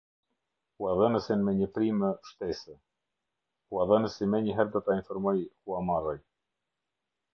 Huadhënësin me një primë shtesë. Huadhënësi menjëherë do ta informojë Huamarri.